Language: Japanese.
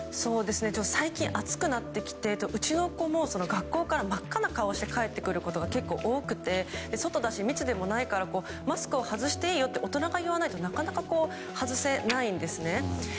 最近、暑くなってきてうちの子も学校から真っ赤な顔をして帰ってくることが結構多くて外だし、密でもないからマスクを外していいよって大人が言わないとなかなか外せないんですね。